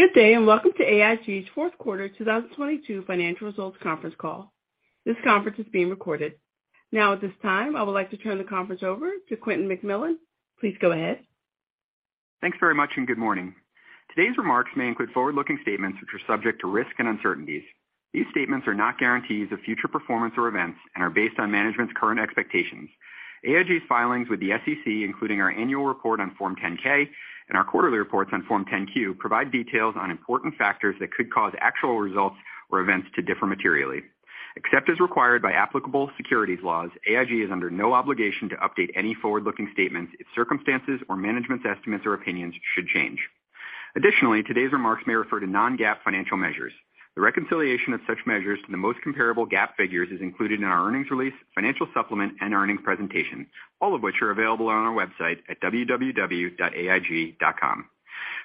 Good day, and welcome to AIG's fourth quarter 2022 financial results conference call. This conference is being recorded. Now at this time, I would like to turn the conference over to Quentin McMillan. Please go ahead. Thanks very much, and good morning. Today's remarks may include forward-looking statements which are subject to risk and uncertainties. These statements are not guarantees of future performance or events and are based on management's current expectations. AIG's filings with the SEC, including our annual report on Form 10-K and our quarterly reports on Form 10-Q, provide details on important factors that could cause actual results or events to differ materially. Except as required by applicable securities laws, AIG is under no obligation to update any forward-looking statements if circumstances or management's estimates or opinions should change. Additionally, today's remarks may refer to non-GAAP financial measures. The reconciliation of such measures to the most comparable GAAP figures is included in our earnings release, financial supplement, and earnings presentation, all of which are available on our website at www.aig.com.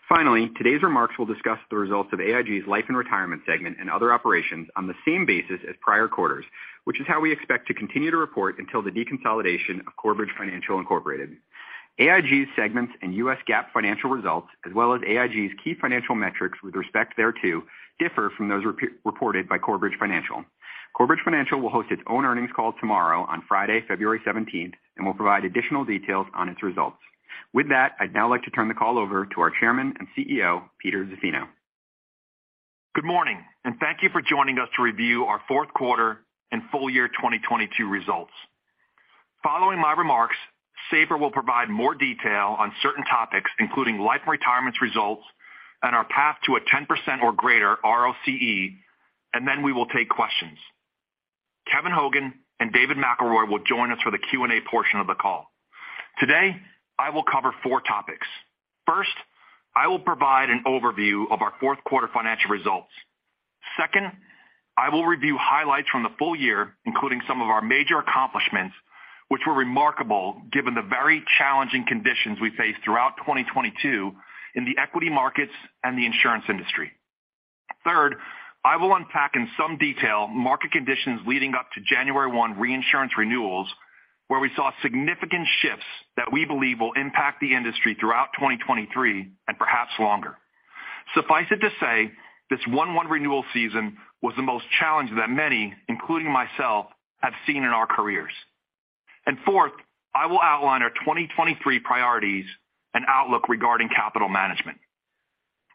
Finally, today's remarks will discuss the results of AIG's Life & Retirement segment and other operations on the same basis as prior quarters, which is how we expect to continue to report until the deconsolidation of Corebridge Financial, Inc. AIG's segments and U.S. GAAP financial results, as well as AIG's key financial metrics with respect thereto, differ from those reported by Corebridge Financial. Corebridge Financial will host its own earnings call tomorrow on Friday, February Seventeenth, and will provide additional details on its results. With that, I'd now like to turn the call over to our Chairman and CEO, Peter Zaffino. Good morning, thank you for joining us to review our fourth quarter and full year 2022 results. Following my remarks, Sabra will provide more detail on certain topics, including Life & Retirement's results and our path to a 10% or greater ROCE, and then we will take questions. Kevin Hogan and David McElroy will join us for the Q&A portion of the call. Today, I will cover four topics. First, I will provide an overview of our fourth quarter financial results. Second, I will review highlights from the full year, including some of our major accomplishments, which were remarkable given the very challenging conditions we faced throughout 2022 in the equity markets and the insurance industry. Third, I will unpack in some detail market conditions leading up to January 1 reinsurance renewals, where we saw significant shifts that we believe will impact the industry throughout 2023 and perhaps longer. Suffice it to say, this 1/1 renewal season was the most challenging that many, including myself, have seen in our careers. Fourth, I will outline our 2023 priorities and outlook regarding capital management.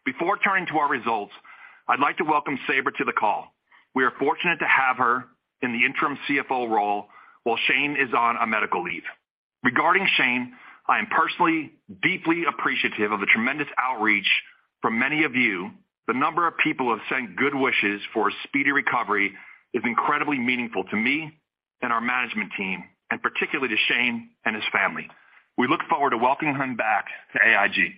Before turning to our results, I'd like to welcome Sabra to the call. We are fortunate to have her in the interim CFO role while Shane is on a medical leave. Regarding Shane, I am personally deeply appreciative of the tremendous outreach from many of you. The number of people who have sent good wishes for a speedy recovery is incredibly meaningful to me and our management team, and particularly to Shane and his family. We look forward to welcoming him back to AIG.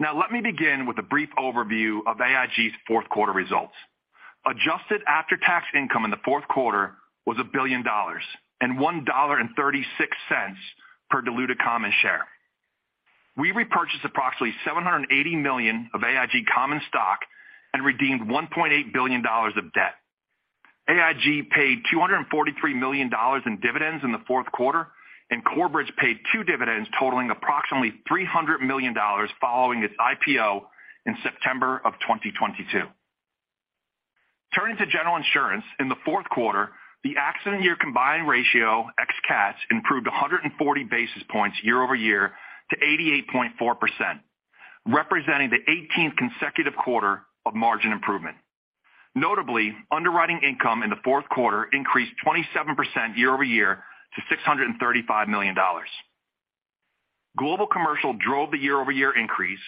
Let me begin with a brief overview of AIG's fourth quarter results. Adjusted after-tax income in the fourth quarter was $1 billion and $1.36 per diluted common share. We repurchased approximately $780 million of AIG common stock and redeemed $1.8 billion of debt. AIG paid $243 million in dividends in the fourth quarter, and Corebridge paid two dividends totaling approximately $300 million following its IPO in September of 2022. Turning to General Insurance, in the fourth quarter, the accident year combined ratio ex CATs improved 140 basis points year-over-year to 88.4%, representing the 18th consecutive quarter of margin improvement. Notably, underwriting income in the fourth quarter increased 27% year-over-year to $635 million. Global Commercial drove the year-over-year increase,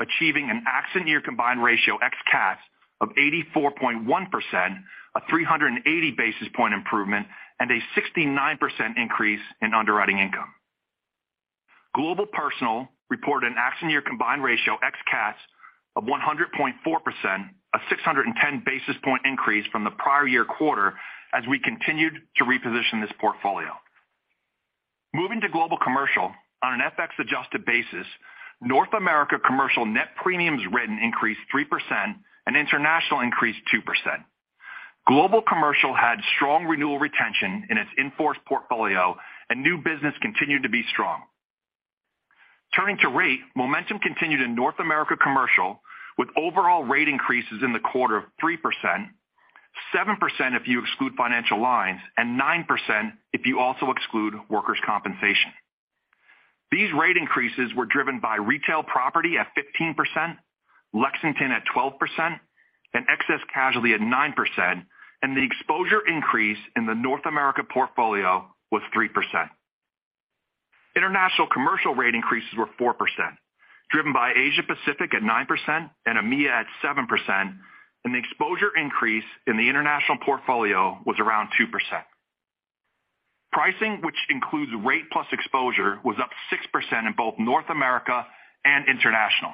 achieving an accident year combined ratio ex CATs of 84.1%, a 380 basis point improvement, and a 69% increase in underwriting income. Global Personal reported an accident year combined ratio ex CATs of 100.4%, a 610 basis point increase from the prior year quarter as we continued to reposition this portfolio. Moving to Global Commercial, on an FX-adjusted basis, North America Commercial net premiums written increased 3% and international increased 2%. Global Commercial had strong renewal retention in its in-force portfolio and new business continued to be strong. Turning to rate, momentum continued in North America Commercial with overall rate increases in the quarter of 3%, 7% if you exclude financial lines, and 9% if you also exclude workers' compensation. These rate increases were driven by retail property at 15%, Lexington at 12%, and excess casualty at 9%, and the exposure increase in the North America portfolio was 3%. International commercial rate increases were 4%, driven by Asia Pacific at 9% and EMEA at 7%, and the exposure increase in the International portfolio was around 2%. Pricing, which includes rate plus exposure, was up 6% in both North America and International.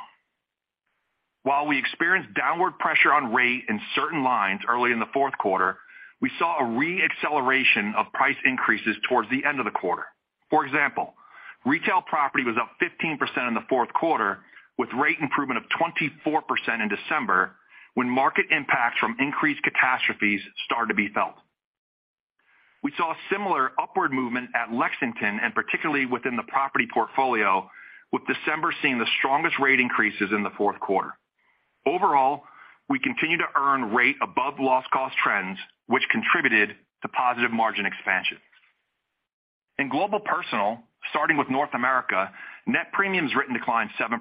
While we experienced downward pressure on rate in certain lines early in the fourth quarter, we saw a re-acceleration of price increases towards the end of the quarter. For example, retail property was up 15% in the fourth quarter, with rate improvement of 24% in December when market impacts from increased catastrophes started to be felt. We saw a similar upward movement at Lexington, and particularly within the property portfolio, with December seeing the strongest rate increases in the fourth quarter. Overall, we continue to earn rate above loss cost trends, which contributed to positive margin expansion. In Global Personal, starting with North America, net premiums written declined 7%,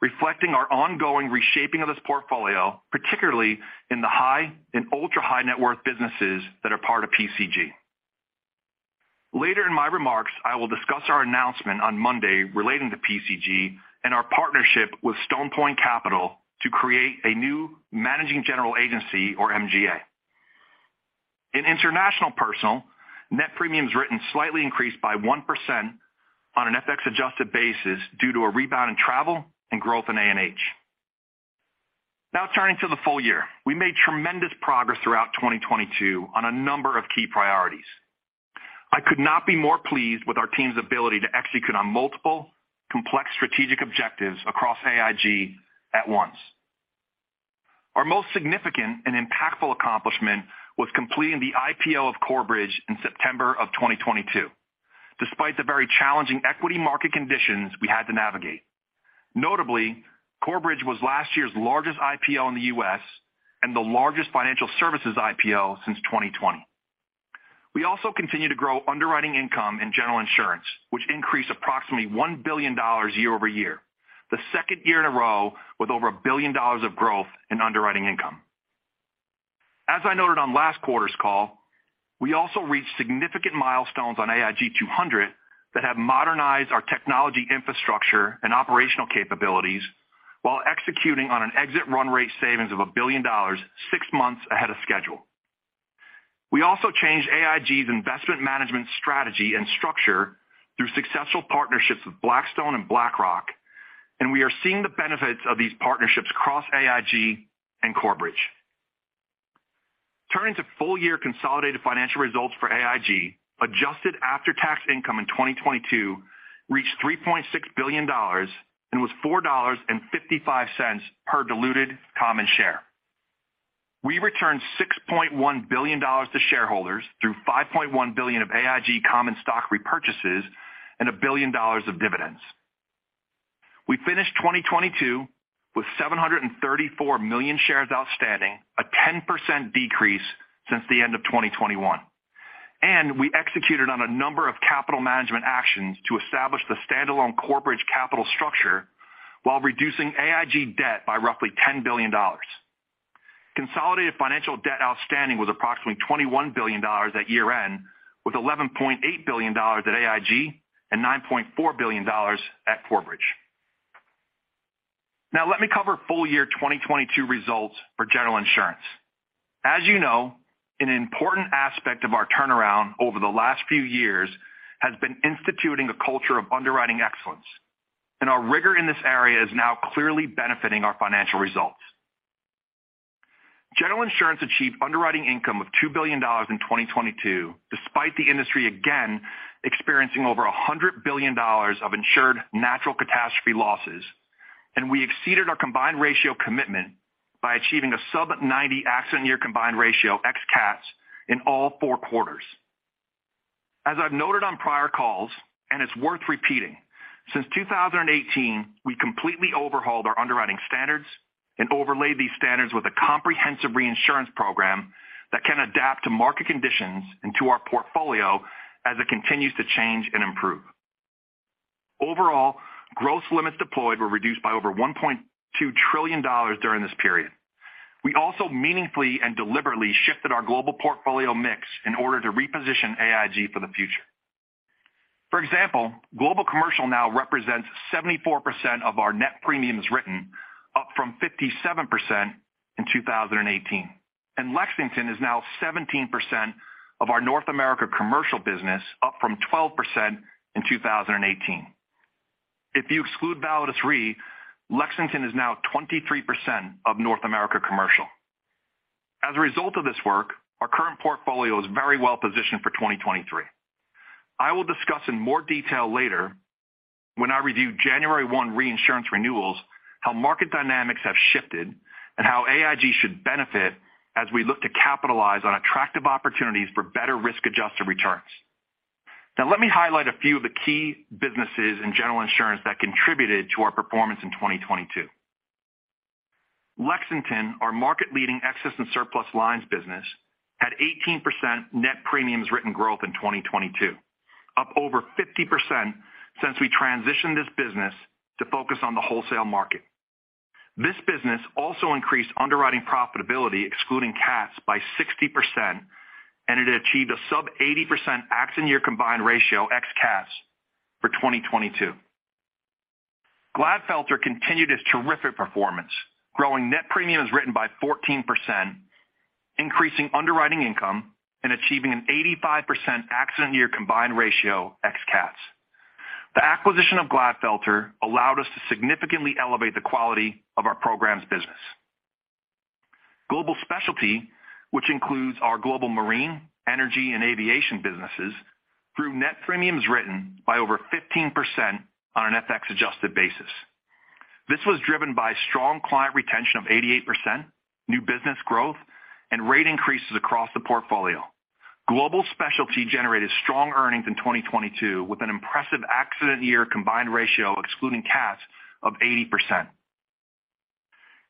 reflecting our ongoing reshaping of this portfolio, particularly in the high and ultra-high net worth businesses that are part of PCG. Later in my remarks, I will discuss our announcement on Monday relating to PCG and our partnership with Stone Point Capital to create a new managing general agency or MGA. In International Personal, net premiums written slightly increased by 1% on an FX-adjusted basis due to a rebound in travel and growth in A&H. Now turning to the full year. We made tremendous progress throughout 2022 on a number of key priorities. I could not be more pleased with our team's ability to execute on multiple complex strategic objectives across AIG at once. Our most significant and impactful accomplishment was completing the IPO of Corebridge in September of 2022, despite the very challenging equity market conditions we had to navigate. Notably, Corebridge was last year's largest IPO in the US and the largest financial services IPO since 2020. We also continue to grow underwriting income in General Insurance, which increased approximately $1 billion year-over-year, the second year in a row with over $1 billion of growth in underwriting income. As I noted on last quarter's call, we also reached significant milestones on AIG 200 that have modernized our technology infrastructure and operational capabilities while executing on an exit run rate savings of $1 billion 6 months ahead of schedule. We also changed AIG's investment management strategy and structure through successful partnerships with Blackstone and BlackRock, and we are seeing the benefits of these partnerships across AIG and Corebridge. Turning to full-year consolidated financial results for AIG, adjusted after-tax income in 2022 reached $3.6 billion and was $4.55 per diluted common share. We returned $6.1 billion to shareholders through $5.1 billion of AIG common stock repurchases and $1 billion of dividends. We finished 2022 with 734 million shares outstanding, a 10% decrease since the end of 2021. We executed on a number of capital management actions to establish the standalone Corebridge capital structure while reducing AIG debt by roughly $10 billion. Consolidated financial debt outstanding was approximately $21 billion at year-end, with $11.8 billion at AIG and $9.4 billion at Corebridge. Let me cover full-year 2022 results for General Insurance. As you know, an important aspect of our turnaround over the last few years has been instituting a culture of underwriting excellence, and our rigor in this area is now clearly benefiting our financial results. General Insurance achieved underwriting income of $2 billion in 2022, despite the industry again experiencing over $100 billion of insured natural catastrophe losses. We exceeded our combined ratio commitment by achieving a sub-90 accident year combined ratio ex CATs in all 4 quarters. As I've noted on prior calls, and it's worth repeating, since 2018, we completely overhauled our underwriting standards and overlaid these standards with a comprehensive reinsurance program that can adapt to market conditions and to our portfolio as it continues to change and improve. Overall, gross limits deployed were reduced by over $1.2 trillion during this period. We also meaningfully and deliberately shifted our global portfolio mix in order to reposition AIG for the future. For example, Global Commercial now represents 74% of our net premiums written, up from 57% in 2018. Lexington is now 17% of our North America Commercial business, up from 12% in 2018. If you exclude Validus Re, Lexington is now 23% of North America Commercial. As a result of this work, our current portfolio is very well-positioned for 2023. I will discuss in more detail later when I review January 1 reinsurance renewals, how market dynamics have shifted and how AIG should benefit as we look to capitalize on attractive opportunities for better risk-adjusted returns. Let me highlight a few of the key businesses in General Insurance that contributed to our performance in 2022. Lexington, our market-leading excess and surplus lines business, had 18% net premiums written growth in 2022, up over 50% since we transitioned this business to focus on the wholesale market. This business also increased underwriting profitability, excluding CATs, by 60%, and it achieved a sub 80% accident year combined ratio ex CATs for 2022. Glatfelter continued its terrific performance, growing net premiums written by 14%, increasing underwriting income, and achieving an 85% accident year combined ratio ex CATs. The acquisition of Glatfelter allowed us to significantly elevate the quality of our programs business. Global Specialty, which includes our global marine, energy, and aviation businesses, grew net premiums written by over 15% on an FX-adjusted basis. This was driven by strong client retention of 88%, new business growth, and rate increases across the portfolio. Global Specialty generated strong earnings in 2022 with an impressive accident year combined ratio excluding CATs of 80%.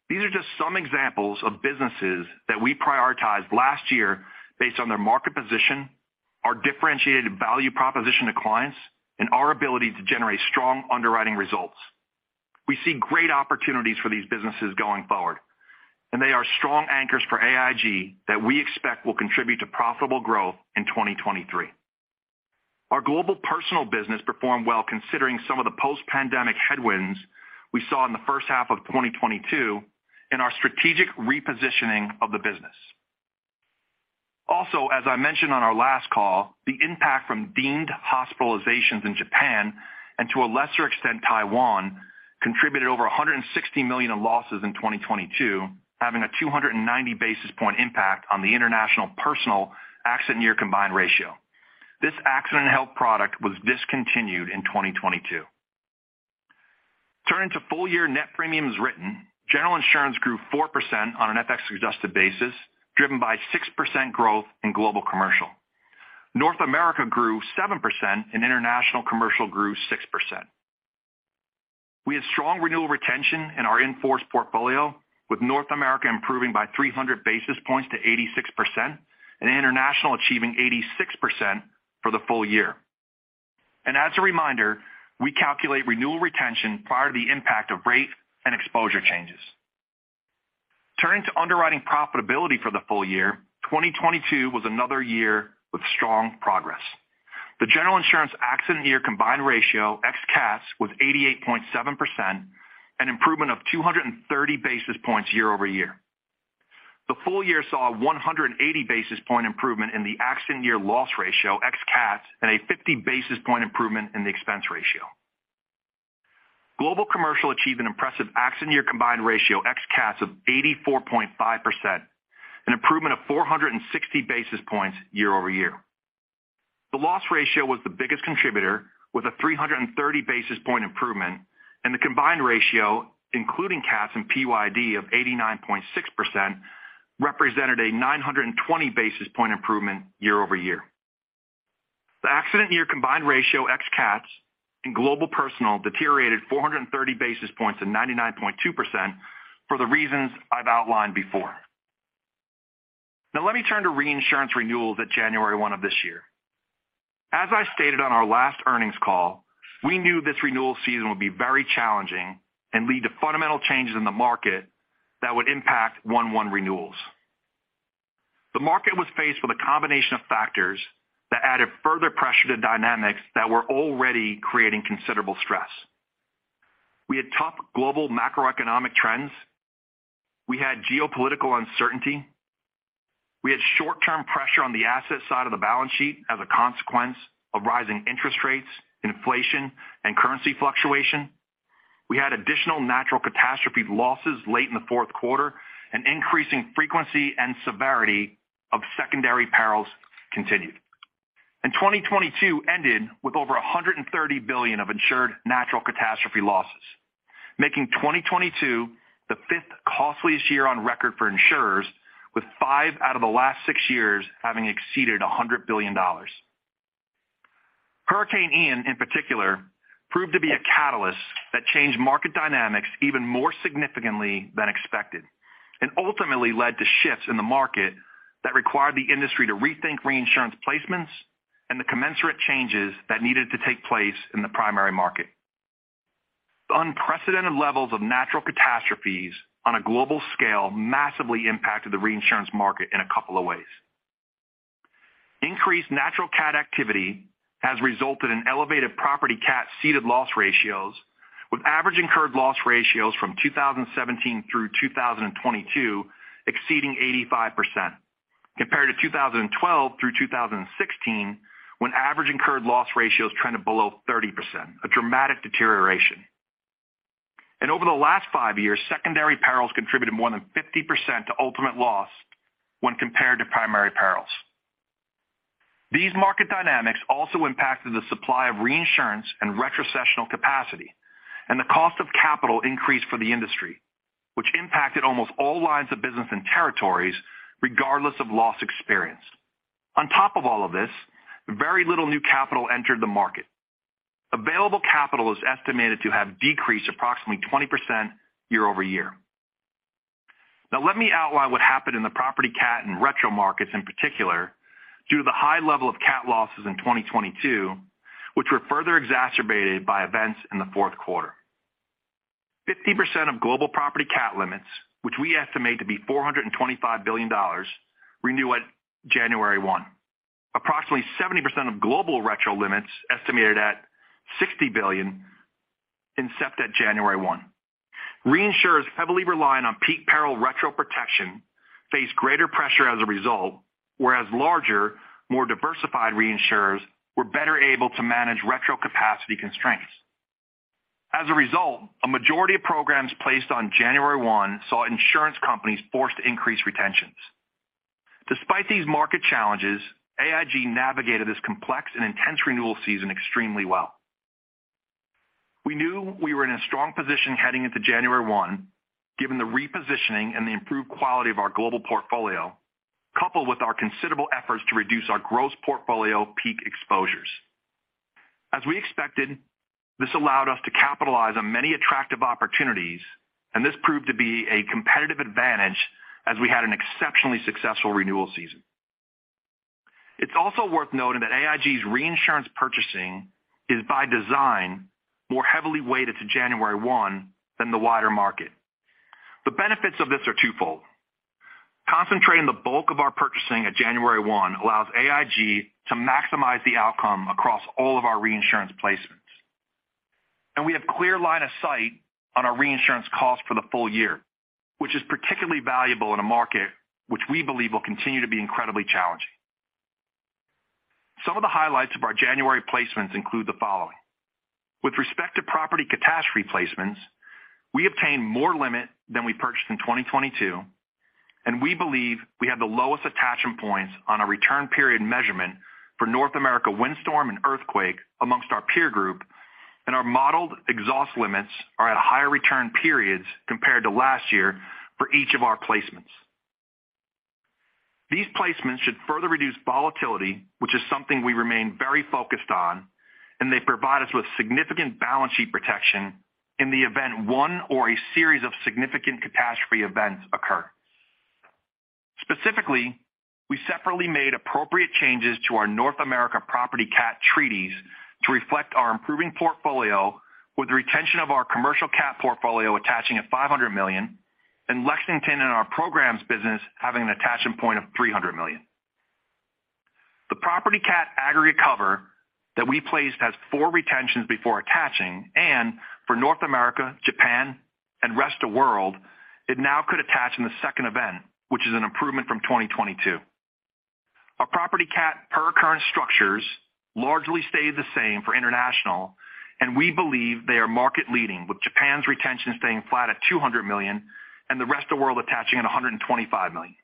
These are just some examples of businesses that we prioritized last year based on their market position, our differentiated value proposition to clients, and our ability to generate strong underwriting results. We see great opportunities for these businesses going forward. They are strong anchors for AIG that we expect will contribute to profitable growth in 2023. Our Global Personal business performed well considering some of the post-pandemic headwinds we saw in the first half of 2022 and our strategic repositioning of the business. Also, as I mentioned on our last call, the impact from deemed hospitalizations in Japan, and to a lesser extent Taiwan, contributed over $160 million in losses in 2022, having a 290 basis point impact on the international personal accident year combined ratio. This accident health product was discontinued in 2022. Turning to full year net premiums written, General Insurance grew 4% on an FX-adjusted basis, driven by 6% growth in Global Commercial. North America grew 7% and International Commercial grew 6%. We had strong renewal retention in our in-force portfolio, with North America improving by 300 basis points to 86% and International achieving 86% for the full year. As a reminder, we calculate renewal retention prior to the impact of rate and exposure changes. Turning to underwriting profitability for the full year, 2022 was another year with strong progress. The General Insurance accident year combined ratio, ex CATs, was 88.7%, an improvement of 230 basis points year-over-year. The full year saw a 180 basis point improvement in the accident year loss ratio, ex CATs, and a 50 basis point improvement in the expense ratio. Global Commercial achieved an impressive accident year combined ratio, ex CATs, of 84.5%, an improvement of 460 basis points year-over-year. The loss ratio was the biggest contributor, with a 330 basis point improvement, and the combined ratio, including CATs and PYD of 89.6%, represented a 920 basis point improvement year-over-year. The accident year combined ratio, ex CATs, in Global Personal deteriorated 430 basis points to 99.2% for the reasons I've outlined before. Let me turn to reinsurance renewals at January 1 of this year. As I stated on our last earnings call, we knew this renewal season would be very challenging and lead to fundamental changes in the market that would impact 1/1 renewals. The market was faced with a combination of factors that added further pressure to dynamics that were already creating considerable stress. We had tough global macroeconomic trends. We had geopolitical uncertainty. We had short-term pressure on the asset side of the balance sheet as a consequence of rising interest rates, inflation, and currency fluctuation. We had additional natural catastrophe losses late in the fourth quarter, and increasing frequency and severity of secondary perils continued. Twenty twenty-two ended with over $130 billion of insured natural catastrophe losses, making 2022 the 5th costliest year on record for insurers, with 5 out of the last 6 years having exceeded $100 billion. Hurricane Ian, in particular, proved to be a catalyst that changed market dynamics even more significantly than expected and ultimately led to shifts in the market that required the industry to rethink reinsurance placements and the commensurate changes that needed to take place in the primary market. The unprecedented levels of natural catastrophes on a global scale massively impacted the reinsurance market in a couple of ways. Increased natural CAT activity has resulted in elevated property CAT ceded loss ratios with average incurred loss ratios from 2017 through 2022 exceeding 85%, compared to 2012 through 2016, when average incurred loss ratios trended below 30%, a dramatic deterioration. Over the last 5 years, secondary perils contributed more than 50% to ultimate loss when compared to primary perils. These market dynamics also impacted the supply of reinsurance and retrocessional capacity, and the cost of capital increased for the industry, which impacted almost all lines of business and territories, regardless of loss experience. On top of all of this, very little new capital entered the market. Available capital is estimated to have decreased approximately 20% year-over-year. Let me outline what happened in the property CAT and retro markets in particular due to the high level of CAT losses in 2022, which were further exacerbated by events in the fourth quarter. 50% of global property CAT limits, which we estimate to be $425 billion, renew at January 1. Approximately 70% of global retro limits, estimated at $60 billion, incept at January 1. Reinsurers heavily reliant on peak peril retro protection faced greater pressure as a result, whereas larger, more diversified reinsurers were better able to manage retro capacity constraints. A majority of programs placed on January 1 saw insurance companies forced to increase retention. Despite these market challenges, AIG navigated this complex and intense renewal season extremely well. We knew we were in a strong position heading into January one, given the repositioning and the improved quality of our global portfolio, coupled with our considerable efforts to reduce our gross portfolio peak exposures. As we expected, this allowed us to capitalize on many attractive opportunities, and this proved to be a competitive advantage as we had an exceptionally successful renewal season. It's also worth noting that AIG's reinsurance purchasing is by design, more heavily weighted to January one than the wider market. The benefits of this are twofold. Concentrating the bulk of our purchasing at January one allows AIG to maximize the outcome across all of our reinsurance placements. We have clear line of sight on our reinsurance costs for the full year, which is particularly valuable in a market which we believe will continue to be incredibly challenging. Some of the highlights of our January placements include the following. With respect to property catastrophe placements, we obtained more limit than we purchased in 2022, and we believe we have the lowest attachment points on a return period measurement for North America windstorm and earthquake amongst our peer group, and our modeled exhaust limits are at higher return periods compared to last year for each of our placements. These placements should further reduce volatility, which is something we remain very focused on, and they provide us with significant balance sheet protection in the event one or a series of significant catastrophe events occur. Specifically, we separately made appropriate changes to our North America property cat treaties to reflect our improving portfolio with the retention of our commercial cat portfolio attaching at $500 million and Lexington and our programs business having an attachment point of $300 million. The property cat aggregate cover that we placed has 4 retentions before attaching. For North America, Japan, and Rest of World, it now could attach in the second event, which is an improvement from 2022. Our property cat per occurrence structures largely stayed the same for international, and we believe they are market-leading, with Japan's retention staying flat at $200 million and the Rest of World attaching at $125 million.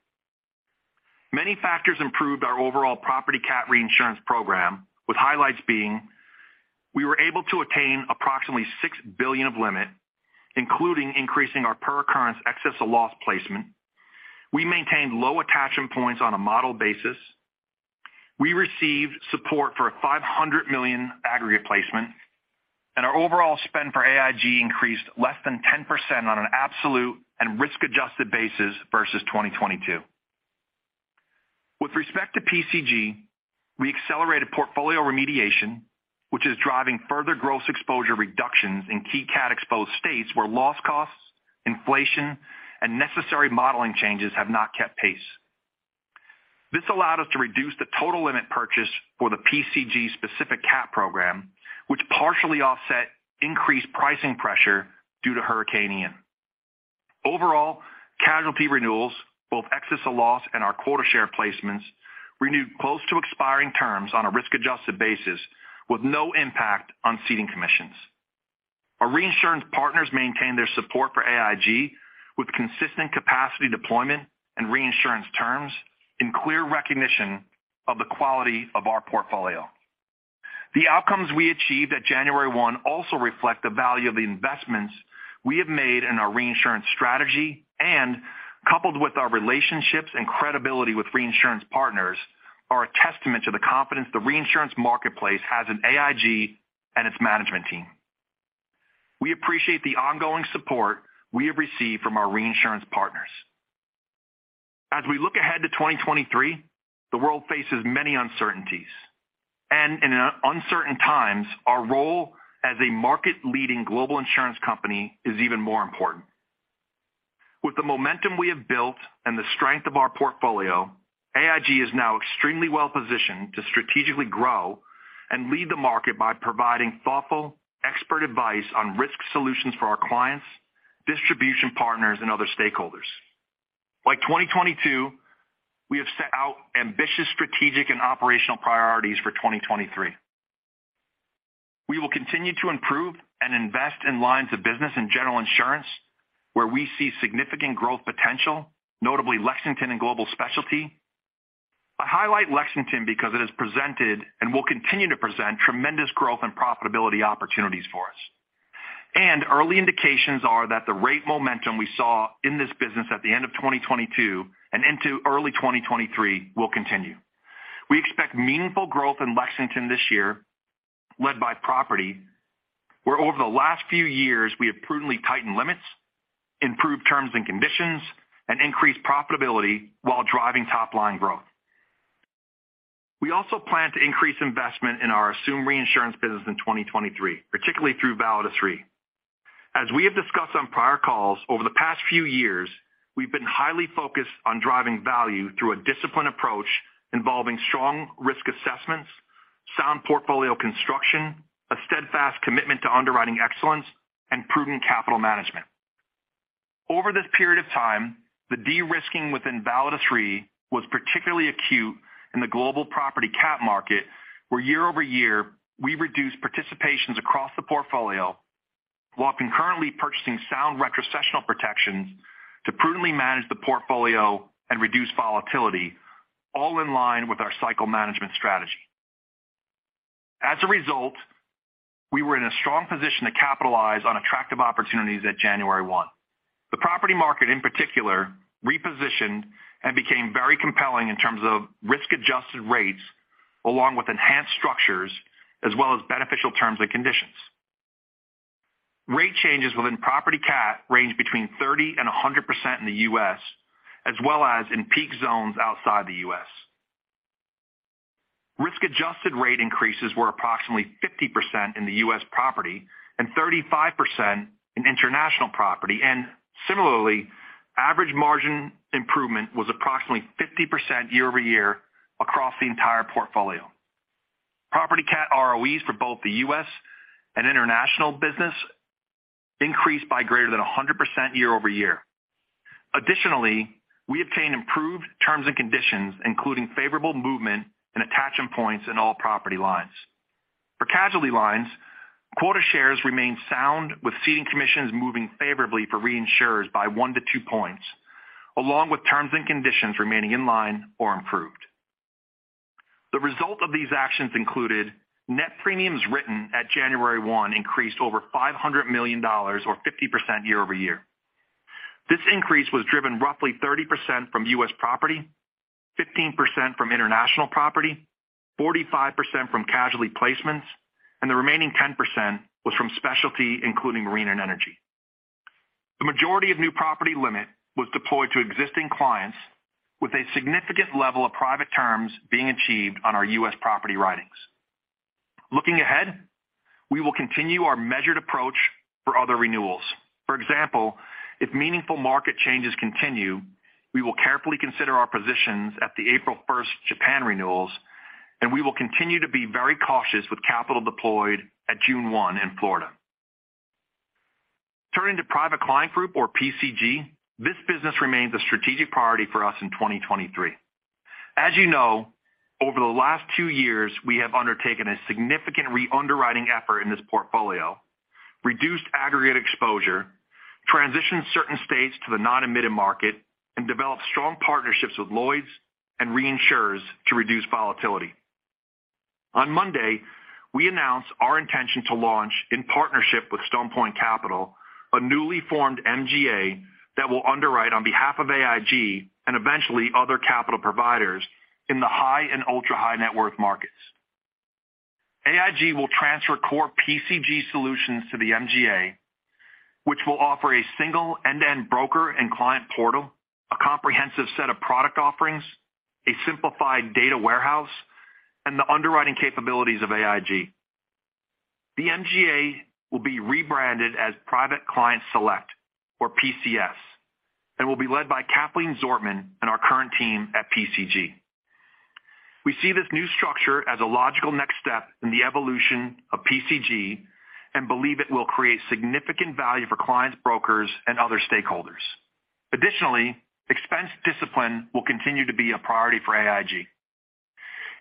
Many factors improved our overall property cat reinsurance program, with highlights being we were able to attain approximately $6 billion of limit, including increasing our per occurrence excess of loss placement. We maintained low attachment points on a model basis. We received support for a $500 million aggregate placement, and our overall spend for AIG increased less than 10% on an absolute and risk-adjusted basis versus 2022. With respect to PCG, we accelerated portfolio remediation, which is driving further gross exposure reductions in key CAT-exposed states where loss costs, inflation, and necessary modeling changes have not kept pace. This allowed us to reduce the total limit purchase for the PCG specific CAT program, which partially offset increased pricing pressure due to Hurricane Ian. Overall, casualty renewals, both excess of loss and our quota share placements, renewed close to expiring terms on a risk-adjusted basis with no impact on ceding commissions. Our reinsurance partners maintained their support for AIG with consistent capacity deployment and reinsurance terms in clear recognition of the quality of our portfolio. The outcomes we achieved at January 1 also reflect the value of the investments we have made in our reinsurance strategy and, coupled with our relationships and credibility with reinsurance partners, are a testament to the confidence the reinsurance marketplace has in AIG and its management team. We appreciate the ongoing support we have received from our reinsurance partners. We look ahead to 2023, the world faces many uncertainties. In uncertain times, our role as a market-leading global insurance company is even more important. With the momentum we have built and the strength of our portfolio, AIG is now extremely well-positioned to strategically grow and lead the market by providing thoughtful expert advice on risk solutions for our clients, distribution partners, and other stakeholders. Like 2022, we have set out ambitious strategic and operational priorities for 2023. We will continue to improve and invest in lines of business and General Insurance where we see significant growth potential, notably Lexington and Global Specialty. I highlight Lexington because it has presented and will continue to present tremendous growth and profitability opportunities for us. Early indications are that the rate momentum we saw in this business at the end of 2022 and into early 2023 will continue. We expect meaningful growth in Lexington this year, led by property, where over the last few years we have prudently tightened limits, improved terms and conditions, and increased profitability while driving top-line growth. We also plan to increase investment in our assumed reinsurance business in 2023, particularly through Validus Re. As we have discussed on prior calls, over the past few years, we've been highly focused on driving value through a disciplined approach involving strong risk assessments, sound portfolio construction, a steadfast commitment to underwriting excellence, and prudent capital management. Over this period of time, the de-risking within Validus Re was particularly acute in the global property CAT market, where year-over-year, we reduced participations across the portfolio while concurrently purchasing sound retrocessional protections to prudently manage the portfolio and reduce volatility, all in line with our cycle management strategy. As a result, we were in a strong position to capitalize on attractive opportunities at January 1. The property market, in particular, repositioned and became very compelling in terms of risk-adjusted rates, along with enhanced structures as well as beneficial terms and conditions. Rate changes within property CAT ranged 30%-100% in the U.S. as well as in peak zones outside the U.S. Risk-adjusted rate increases were approximately 50% in the U.S. property and 35% in international property, and similarly, average margin improvement was approximately 50% year-over-year across the entire portfolio. Property CAT ROEs for both the U.S. and international business increased by greater than 100% year-over-year. We obtained improved terms and conditions, including favorable movement and attachment points in all property lines. For casualty lines, quota shares remained sound with ceding commissions moving favorably for reinsurers by 1-2 points, along with terms and conditions remaining in line or improved. The result of these actions included net premiums written at January 1 increased over $500 million or 50% year-over-year. This increase was driven roughly 30% from U.S. property, 15% from international property, 45% from casualty placements, and the remaining 10% was from specialty, including marine and energy. The majority of new property limit was deployed to existing clients with a significant level of private terms being achieved on our U.S. property writings. Looking ahead, we will continue our measured approach for other renewals. For example, if meaningful market changes continue, we will carefully consider our positions at the April first Japan renewals, and we will continue to be very cautious with capital deployed at June one in Florida. Turning to Private Client Group, or PCG, this business remains a strategic priority for us in 2023. As you know, over the last two years, we have undertaken a significant re-underwriting effort in this portfolio, reduced aggregate exposure, transitioned certain states to the non-admitted market, and developed strong partnerships with Lloyd's and reinsurers to reduce volatility. On Monday, we announced our intention to launch in partnership with Stone Point Capital, a newly formed MGA that will underwrite on behalf of AIG and eventually other capital providers in the high and ultra-high net worth markets. AIG will transfer core PCG solutions to the MGA, which will offer a single end-to-end broker and client portal, a comprehensive set of product offerings, a simplified data warehouse, and the underwriting capabilities of AIG. The MGA will be rebranded as Private Client Select or PCS and will be led by Kathleen Zortman and our current team at PCG. We see this new structure as a logical next step in the evolution of PCG and believe it will create significant value for clients, brokers, and other stakeholders. Additionally, expense discipline will continue to be a priority for AIG.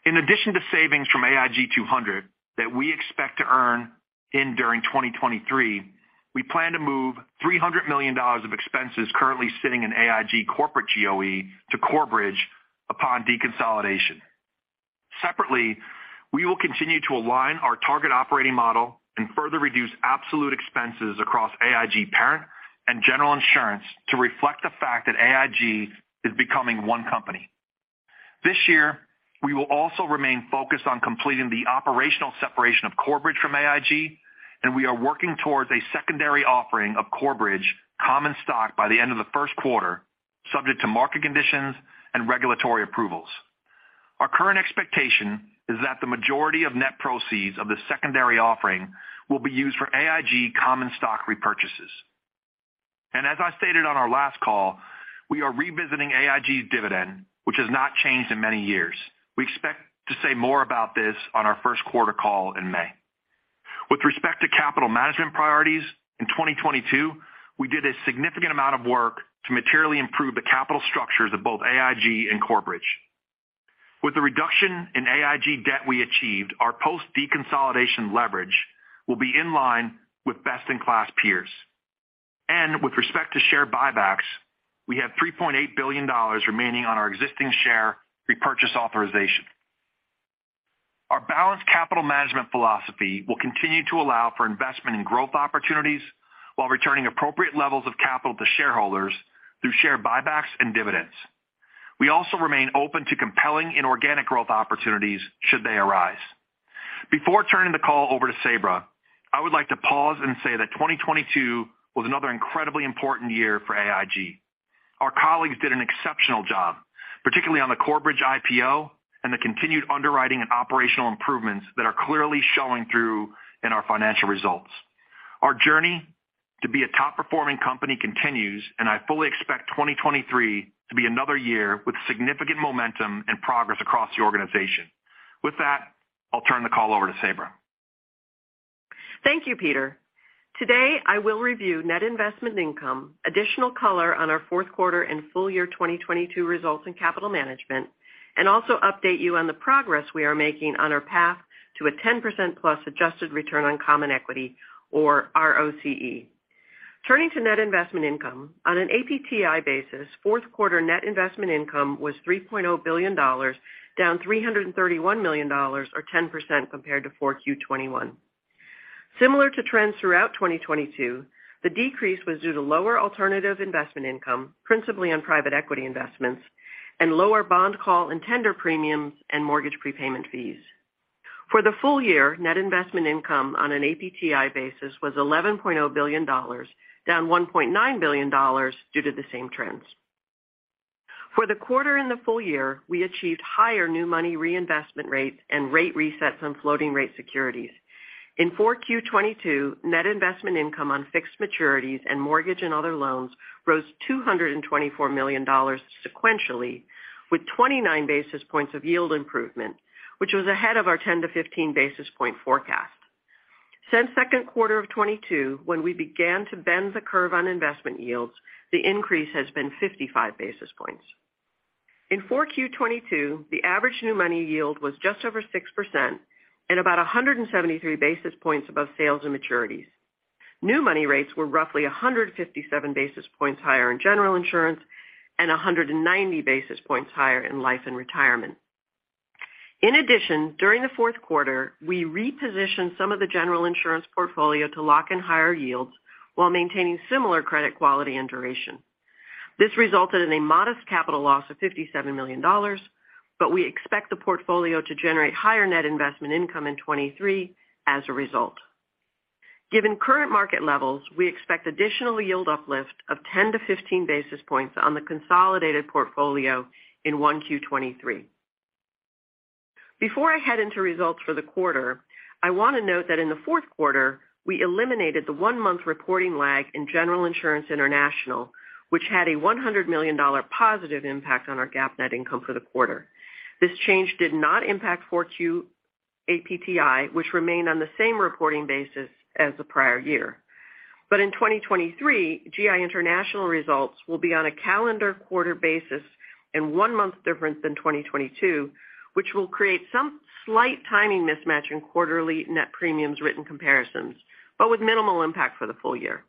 In addition to savings from AIG 200 that we expect to earn in during 2023, we plan to move $300 million of expenses currently sitting in AIG corporate GOE to Corebridge upon deconsolidation. Separately, we will continue to align our target operating model and further reduce absolute expenses across AIG Parent and General Insurance to reflect the fact that AIG is becoming one company. This year, we will also remain focused on completing the operational separation of Corebridge from AIG, and we are working towards a secondary offering of Corebridge common stock by the end of the first quarter, subject to market conditions and regulatory approvals. Our current expectation is that the majority of net proceeds of the secondary offering will be used for AIG common stock repurchases. As I stated on our last call, we are revisiting AIG's dividend, which has not changed in many years. We expect to say more about this on our first quarter call in May. With respect to capital management priorities, in 2022, we did a significant amount of work to materially improve the capital structures of both AIG and Corebridge. With the reduction in AIG debt we achieved, our post-deconsolidation leverage will be in line with best-in-class peers. With respect to share buybacks, we have $3.8 billion remaining on our existing share repurchase authorization. Our balanced capital management philosophy will continue to allow for investment in growth opportunities while returning appropriate levels of capital to shareholders through share buybacks and dividends. We also remain open to compelling inorganic growth opportunities should they arise. Before turning the call over to Sabra, I would like to pause and say that 2022 was another incredibly important year for AIG. Our colleagues did an exceptional job, particularly on the Corebridge IPO and the continued underwriting and operational improvements that are clearly showing through in our financial results. Our journey to be a top-performing company continues, and I fully expect 2023 to be another year with significant momentum and progress across the organization. With that, I'll turn the call over to Sabra. Thank you, Peter. Today, I will review net investment income, additional color on our fourth quarter and full year 2022 results in capital management, and also update you on the progress we are making on our path to a 10%+ adjusted return on common equity or ROCE. Turning to net investment income, on an APTI basis, fourth quarter net investment income was $3.0 billion, down $331 million or 10% compared to 4Q 2021. Similar to trends throughout 2022, the decrease was due to lower alternative investment income, principally on private equity investments and lower bond call and tender premiums and mortgage prepayment fees. For the full year, net investment income on an APTI basis was $11.0 billion, down $1.9 billion due to the same trends. For the quarter and the full year, we achieved higher new money reinvestment rates and rate resets on floating rate securities. In 4Q 2022, net investment income on fixed maturities and mortgage and other loans rose $224 million sequentially, with 29 basis points of yield improvement, which was ahead of our 10-15 basis point forecast. Since 2Q 2022, when we began to bend the curve on investment yields, the increase has been 55 basis points. In 4Q 2022, the average new money yield was just over 6% at about 173 basis points above sales and maturities. New money rates were roughly 157 basis points higher in General Insurance and 190 basis points higher in Life & Retirement. In addition, during the fourth quarter, we repositioned some of the General Insurance portfolio to lock in higher yields while maintaining similar credit quality and duration. This resulted in a modest capital loss of $57 million. We expect the portfolio to generate higher net investment income in 2023 as a result. Given current market levels, we expect additional yield uplift of 10 to 15 basis points on the consolidated portfolio in 1Q 2023. Before I head into results for the quarter, I want to note that in the fourth quarter, we eliminated the one-month reporting lag in General Insurance International, which had a $100 million positive impact on our GAAP net income for the quarter. This change did not impact 4Q APTI, which remained on the same reporting basis as the prior year. In 2023, GI International results will be on a calendar quarter basis and 1 month difference than 2022, which will create some slight timing mismatch in quarterly net premiums written comparisons, but with minimal impact for the full year.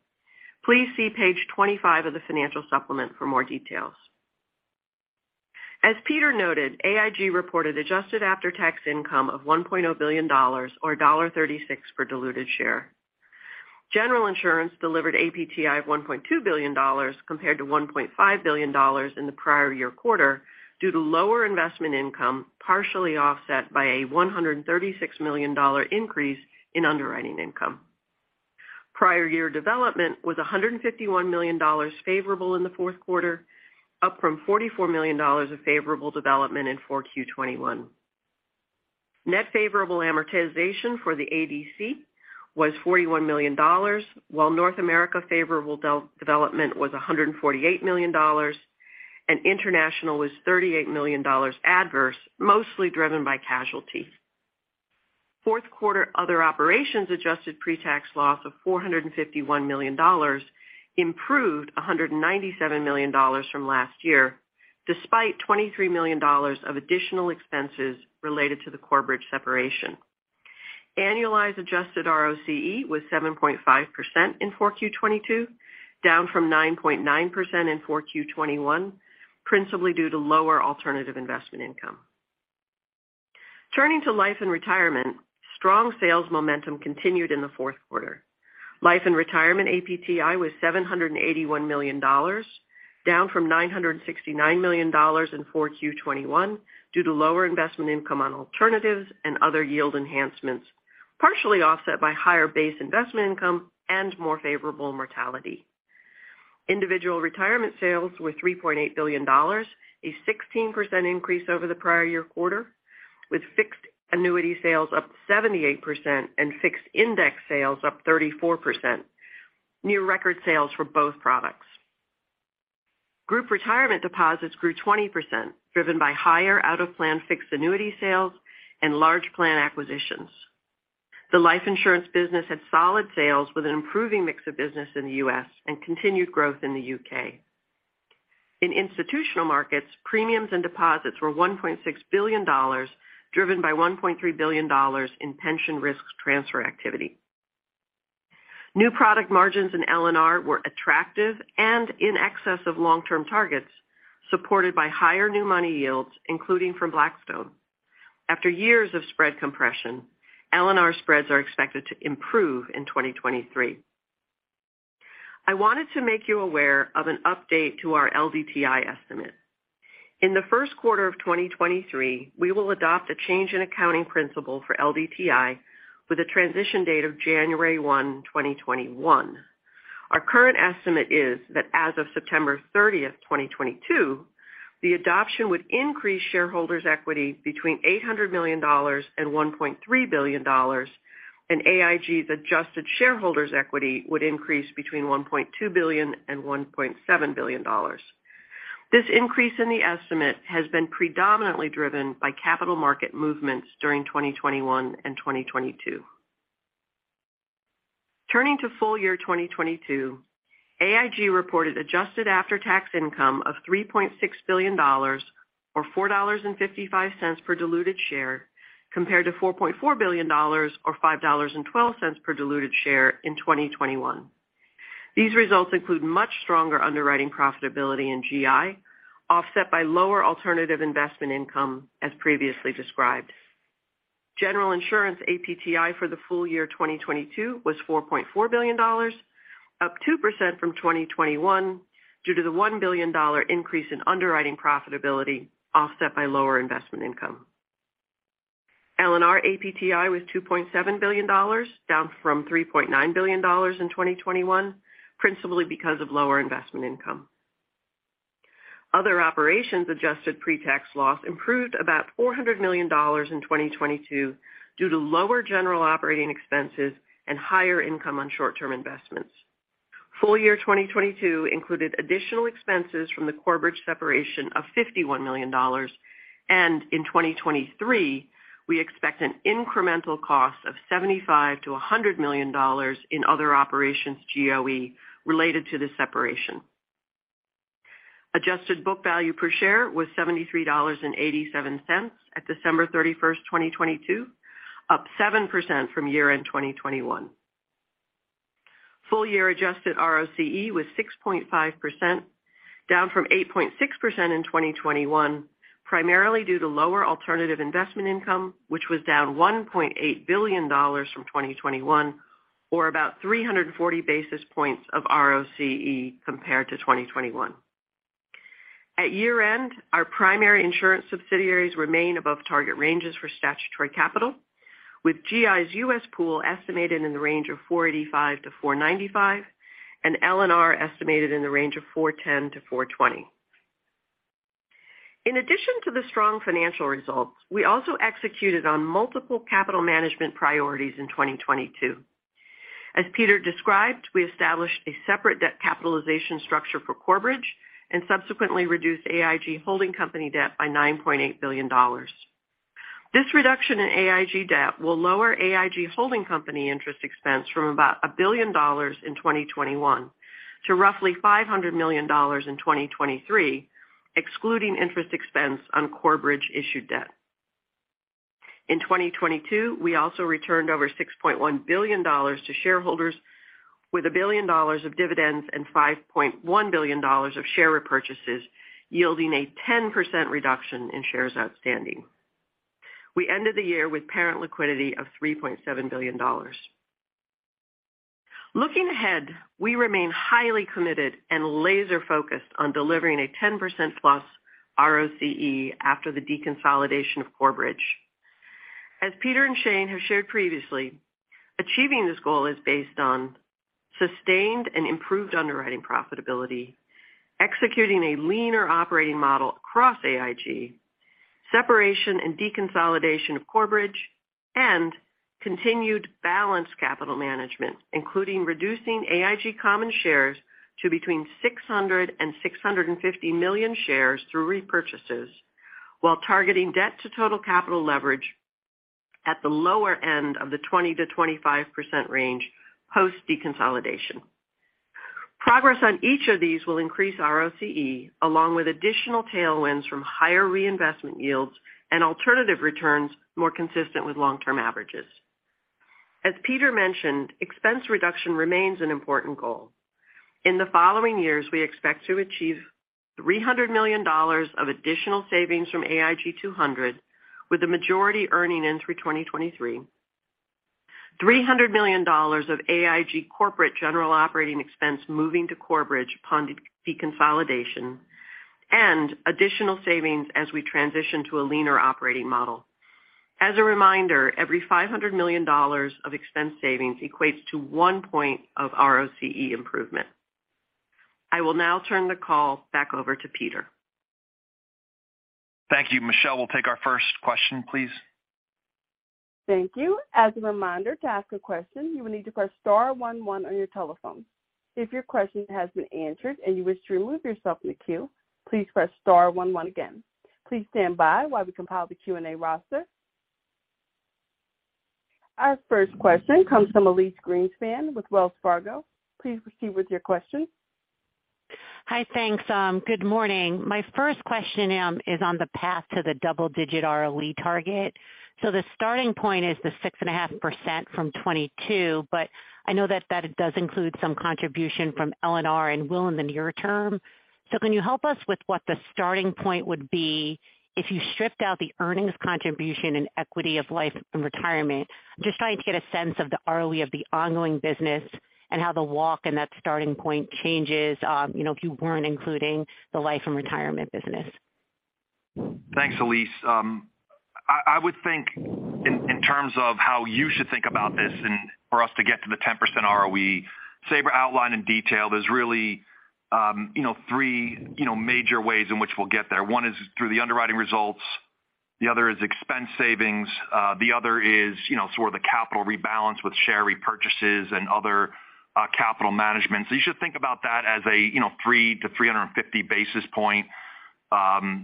Please see page 25 of the financial supplement for more details. As Peter noted, AIG reported adjusted after-tax income of $1.0 billion or $1.36 per diluted share. General Insurance delivered APTI of $1.2 billion compared to $1.5 billion in the prior year quarter due to lower investment income, partially offset by a $136 million increase in underwriting income. Prior year development was $151 million favorable in the fourth quarter, up from $44 million of favorable development in 4Q 2021. Net favorable amortization for the ADC was $41 million, while North America favorable development was $148 million, and International was $38 million adverse, mostly driven by casualty. Fourth quarter other operations adjusted pre-tax loss of $451 million improved $197 million from last year, despite $23 million of additional expenses related to the Corebridge separation. Annualized adjusted ROCE was 7.5% in 4Q 2022, down from 9.9% in 4Q 2021, principally due to lower alternative investment income. Turning to Life & Retirement, strong sales momentum continued in the fourth quarter. Life & Retirement APTI was $781 million, down from $969 million in 4Q 2021 due to lower investment income on alternatives and other yield enhancements, partially offset by higher base investment income and more favorable mortality. Individual Retirement sales were $3.8 billion, a 16% increase over the prior year quarter, with fixed annuity sales up 78% and fixed index sales up 34%. New record sales for both products. Group Retirement deposits grew 20%, driven by higher out-of-plan fixed annuity sales and large plan acquisitions. The life insurance business had solid sales with an improving mix of business in the U.S. and continued growth in the U.K. In Institutional Markets, premiums and deposits were $1.6 billion, driven by $1.3 billion in pension risk transfer activity. New product margins in L&R were attractive and in excess of long-term targets, supported by higher new money yields, including from Blackstone. After years of spread compression, L&R spreads are expected to improve in 2023. I wanted to make you aware of an update to our LDTI estimate. In the first quarter of 2023, we will adopt a change in accounting principle for LDTI with a transition date of January 1, 2021. Our current estimate is that as of September 30, 2022, the adoption would increase shareholders' equity between $800 million and $1.3 billion, and AIG's adjusted shareholders' equity would increase between $1.2 billion and $1.7 billion. This increase in the estimate has been predominantly driven by capital market movements during 2021 and 2022. Turning to full year 2022, AIG reported adjusted after-tax income of $3.6 billion or $4.55 per diluted share compared to $4.4 billion, or $5.12 per diluted share in 2021. These results include much stronger underwriting profitability in GI, offset by lower alternative investment income as previously described. General Insurance APTI for the full year 2022 was $4.4 billion, up 2% from 2021 due to the $1 billion increase in underwriting profitability offset by lower investment income. L&R APTI was $2.7 billion, down from $3.9 billion in 2021, principally because of lower investment income. Other operations adjusted pre-tax loss improved about $400 million in 2022 due to lower general operating expenses and higher income on short-term investments. Full year 2022 included additional expenses from the Corebridge separation of $51 million. In 2023, we expect an incremental cost of $75 million-$100 million in other operations GOE related to the separation. Adjusted book value per share was $73.87 at December 31st, 2022, up 7% from year-end 2021. Full year adjusted ROCE was 6.5%, down from 8.6% in 2021, primarily due to lower alternative investment income, which was down $1.8 billion from 2021, or about 340 basis points of ROCE compared to 2021. At year-end, our primary insurance subsidiaries remain above target ranges for statutory capital, with GI's U.S. pool estimated in the range of 485-495, and L&R estimated in the range of 410-420. In addition to the strong financial results, we also executed on multiple capital management priorities in 2022. As Peter described, we established a separate debt capitalization structure for Corebridge and subsequently reduced AIG holding company debt by $9.8 billion. This reduction in AIG debt will lower AIG holding company interest expense from about $1 billion in 2021 to roughly $500 million in 2023, excluding interest expense on Corebridge-issued debt. In 2022, we also returned over $6.1 billion to shareholders with $1 billion of dividends and $5.1 billion of share repurchases, yielding a 10% reduction in shares outstanding. We ended the year with parent liquidity of $3.7 billion. Looking ahead, we remain highly committed and laser-focused on delivering a 10%+ ROCE after the deconsolidation of Corebridge. As Peter and Shane have shared previously, achieving this goal is based on sustained and improved underwriting profitability, executing a leaner operating model across AIG, separation and deconsolidation of Corebridge, and continued balanced capital management, including reducing AIG common shares to between 600 and 650 million shares through repurchases while targeting debt to total capital leverage at the lower end of the 20%-25% range post deconsolidation. Progress on each of these will increase ROCE, along with additional tailwinds from higher reinvestment yields and alternative returns more consistent with long-term averages. As Peter mentioned, expense reduction remains an important goal. In the following years, we expect to achieve $300 million of additional savings from AIG 200, with the majority earning in through 2023, $300 million of AIG corporate general operating expense moving to Corebridge upon deconsolidation, and additional savings as we transition to a leaner operating model. As a reminder, every $500 million of expense savings equates to 1 point of ROCE improvement. I will now turn the call back over to Peter. Thank you, Operator We'll take our first question, please. Thank you. As a reminder, to ask a question, you will need to press star one one on your telephone. If your question has been answered and you wish to remove yourself from the queue, please press star one one again. Please stand by while we compile the Q&A roster. Our first question comes from Elyse Greenspan with Wells Fargo. Please proceed with your question. Hi. Thanks. Good morning. My first question is on the path to the double-digit ROE target. The starting point is the 6.5% from 2022, but I know that that does include some contribution from L&R and will in the near term. Can you help us with what the starting point would be if you stripped out the earnings contribution and equity of Life & Retirement? Just trying to get a sense of the ROE of the ongoing business and how the walk and that starting point changes, you know, if you weren't including the Life & Retirement business. Thanks, Elyse. I would think in terms of how you should think about this and for us to get to the 10% ROE, Sabra outlined in detail, there's really, you know, three, you know, major ways in which we'll get there. One is through the underwriting results. The other is expense savings. The other is, you know, sort of the capital rebalance with share repurchases and other capital management. You should think about that as a, you know, 3 to 350 basis point,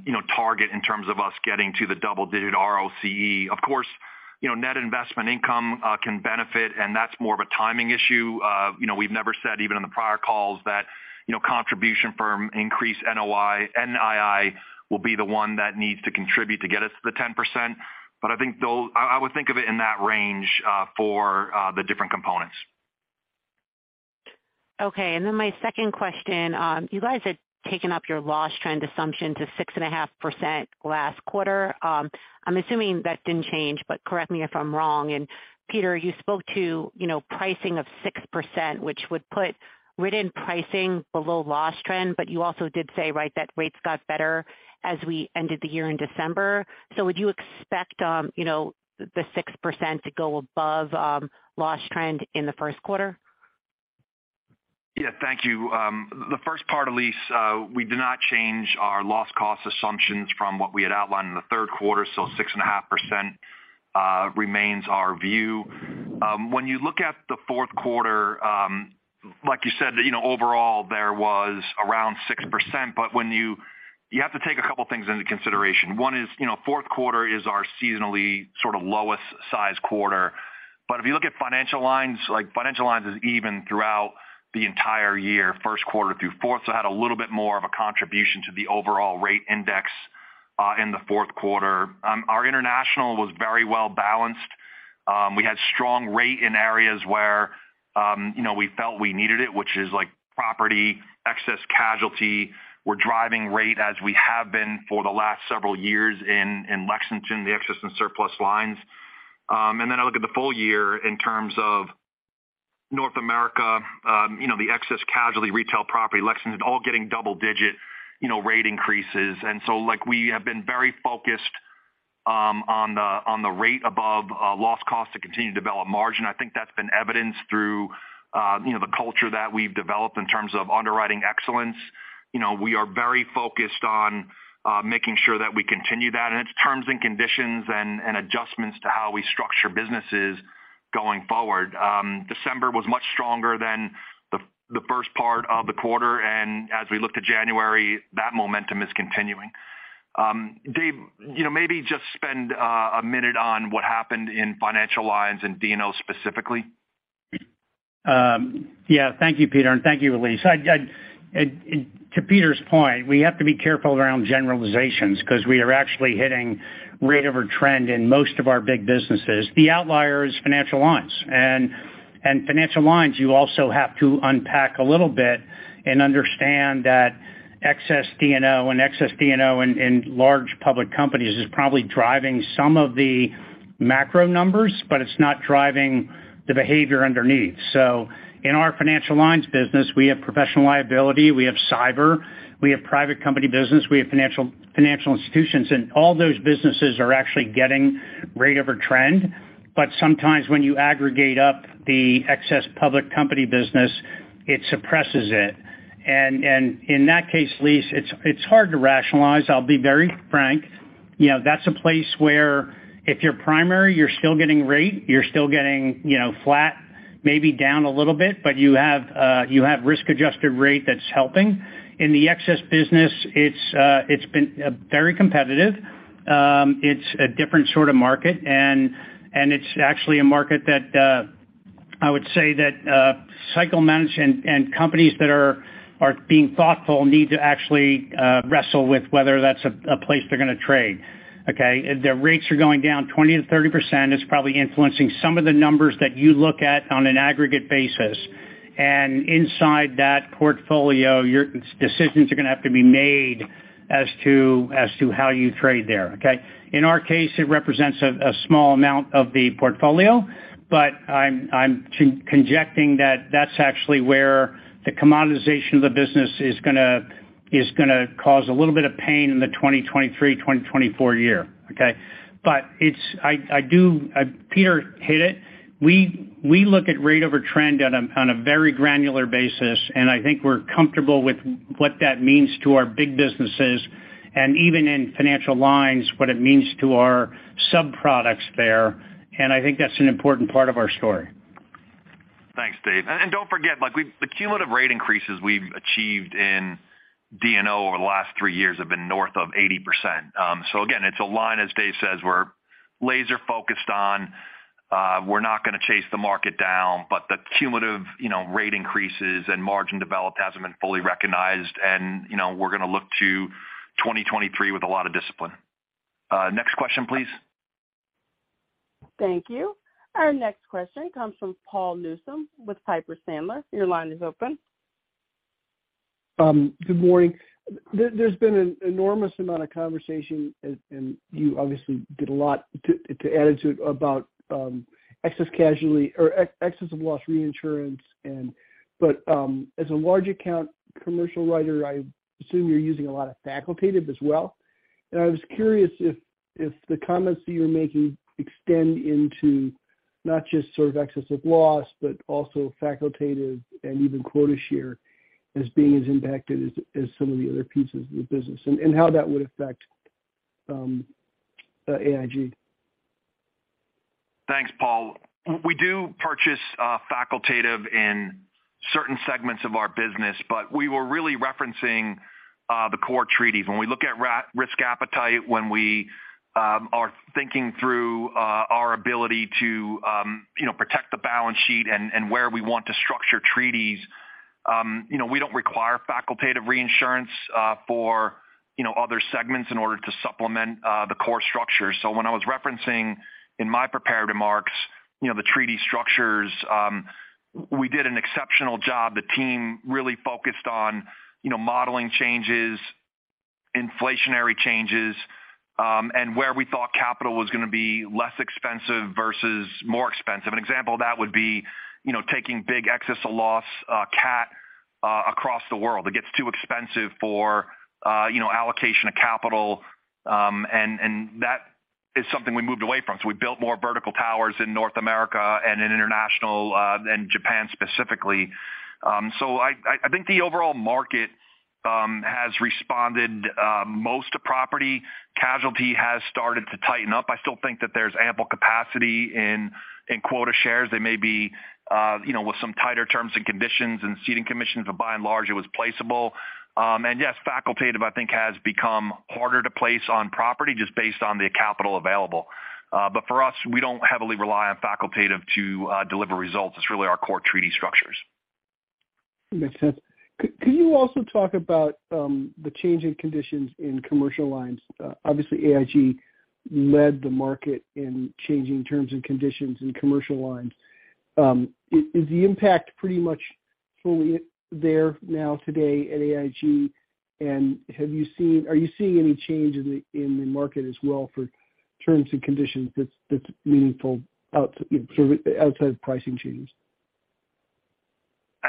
you know, target in terms of us getting to the double-digit ROCE. Of course, you know, net investment income can benefit, and that's more of a timing issue. you know, we've never said, even in the prior calls, that, you know, contribution from increased NII will be the one that needs to contribute to get us to the 10%. I would think of it in that range for the different components. Okay. My second question. You guys had taken up your loss trend assumption to 6.5% last quarter. I'm assuming that didn't change, but correct me if I'm wrong. Peter, you spoke to, you know, pricing of 6%, which would put written pricing below loss trend, but you also did say, right, that rates got better as we ended the year in December. Would you expect, you know, the 6% to go above loss trend in the first quarter? Yeah, thank you. The first part, Elyse, we did not change our loss cost assumptions from what we had outlined in the third quarter, so 6.5% remains our view. When you look at the fourth quarter, like you said, you know, overall there was around 6%, you have to take a couple things into consideration. One is, you know, fourth quarter is our seasonally sort of lowest size quarter. If you look at financial lines, like financial lines is even throughout the entire year, first quarter through fourth, so had a little bit more of a contribution to the overall rate index in the fourth quarter. Our international was very well-balanced. We had strong rate in areas where, you know, we felt we needed it, which is like property, excess casualty. We're driving rate as we have been for the last several years in Lexington, the excess and surplus lines. I look at the full year in terms of North America, the excess casualty, retail property, Lexington all getting double digit rate increases. We have been very focused on the rate above loss cost to continue to develop margin. I think that's been evidenced through the culture that we've developed in terms of underwriting excellence. We are very focused on making sure that we continue that, and it's terms and conditions and adjustments to how we structure businesses going forward. December was much stronger than the first part of the quarter, and as we look to January, that momentum is continuing. Dave, you know, maybe just spend a minute on what happened in financial lines and D&O specifically. Yeah. Thank you, Peter, and thank you, Elyse. To Peter's point, we have to be careful around generalizations 'cause we are actually hitting rate over trend in most of our big businesses. The outlier is financial lines. financial lines, you also have to unpack a little bit and understand that excess D&O and excess D&O in large public companies is probably driving some of the macro numbers, but it's not driving the behavior underneath. In our financial lines business, we have professional liability, we have cyber, we have private company business, we have financial institutions, and all those businesses are actually getting rate over trend. Sometimes when you aggregate up the excess public company business, it suppresses it. In that case, Elyse, it's hard to rationalize, I'll be very frank. You know, that's a place where if you're primary, you're still getting rate, you're still getting, you know, flat, maybe down a little bit, but you have risk-adjusted rate that's helping. In the excess business, it's been very competitive. It's a different sort of market and it's actually a market that I would say that cycle management and companies that are being thoughtful need to actually wrestle with whether that's a place they're gonna trade, okay? The rates are going down 20%-30%. It's probably influencing some of the numbers that you look at on an aggregate basis. Inside that portfolio, your decisions are gonna have to be made as to how you trade there, okay? In our case, it represents a small amount of the portfolio, but I'm conjecturing that that's actually where the commoditization of the business is gonna cause a little bit of pain in the 2023/2024 year, okay? I do. Peter hit it. We look at rate over trend on a very granular basis, and I think we're comfortable with what that means to our big businesses, and even in financial lines, what it means to our sub-products there, and I think that's an important part of our story. Thanks, Dave. Don't forget, the cumulative rate increases we've achieved in D&O over the last three years have been north of 80%. Again, it's a line, as Dave says, we're laser focused on, we're not gonna chase the market down, but the cumulative, you know, rate increases and margin developed hasn't been fully recognized and, you know, we're gonna look to 2023 with a lot of discipline. Next question, please. Thank you. Our next question comes from Paul Newsome with Piper Sandler. Your line is open. Good morning. There's been an enormous amount of conversation, and you obviously did a lot to add to it about excess casualty or excess of loss reinsurance. As a large account commercial writer, I assume you're using a lot of facultative as well. I was curious if the comments that you're making extend into not just sort of excess of loss, but also facultative and even quota share as being as impacted as some of the other pieces of the business, and how that would affect AIG. Thanks, Paul. We do purchase facultative Certain segments of our business, but we were really referencing the core treaties. When we look at risk appetite, when we are thinking through our ability to, you know, protect the balance sheet and where we want to structure treaties, you know, we don't require facultative reinsurance for, you know, other segments in order to supplement the core structure. When I was referencing in my prepared remarks, you know, the treaty structures, we did an exceptional job. The team really focused on, you know, modeling changes, inflationary changes, and where we thought capital was going to be less expensive versus more expensive. An example of that would be, you know, taking big excess of loss CAT across the world. It gets too expensive for, you know, allocation of capital, and that is something we moved away from. We built more vertical towers in North America and in international, and Japan specifically. I think the overall market has responded most to property. Casualty has started to tighten up. I still think that there's ample capacity in quota shares. They may be, you know, with some tighter terms and conditions and ceding commissions, but by and large, it was placeable. Yes, facultative, I think, has become harder to place on property just based on the capital available. For us, we don't heavily rely on facultative to deliver results. It's really our core treaty structures. Makes sense. Could you also talk about the change in conditions in commercial lines? Obviously, AIG led the market in changing terms and conditions in commercial lines. Is the impact pretty much fully there now today at AIG? Are you seeing any change in the market as well for terms and conditions that's meaningful outside of pricing changes?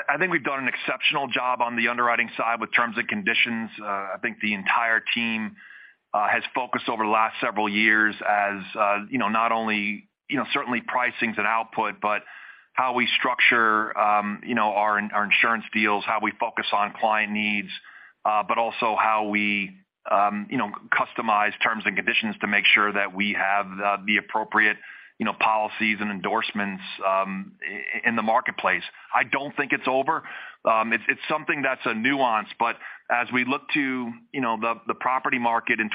I think we've done an exceptional job on the underwriting side with terms and conditions. I think the entire team has focused over the last several years as, you know, not only, you know, certainly pricings and output, but how we structure, you know, our insurance deals, how we focus on client needs, but also how we, you know, customize terms and conditions to make sure that we have the appropriate, you know, policies and endorsements in the marketplace. I don't think it's over. It's, it's something that's a nuance, but as we look to, you know, the property market in